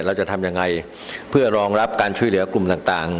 เราจะทำยังไงเพื่อรองรับการช่วยเหลือกลุ่มต่างต่าง